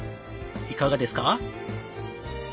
いかがですか？